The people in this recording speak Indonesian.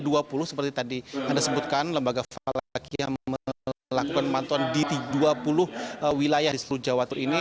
di dua puluh seperti tadi anda sebutkan lembaga falakianadatul ulama melakukan pantauan di dua puluh wilayah di seluruh jawa timur ini